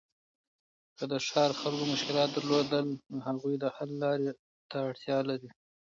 که د ښار خلګو مشکلات درلودل، نو هغوی د حل لاري ته اړتیا لري.